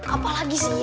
apa lagi sih